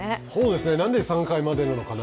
何で３回までなのかな。